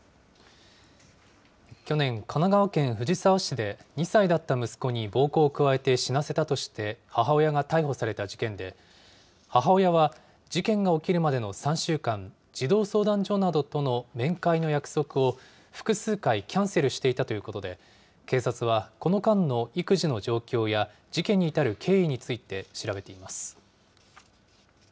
去年、神奈川県藤沢市で２歳だった息子に暴行を加えて死なせたとして、母親が逮捕された事件で、母親は、事件が起きるまでの３週間、児童相談所などとの面会の約束を複数回、キャンセルしていたということで、警察は、この間の育児の状況や事件に至る経緯について、調べています。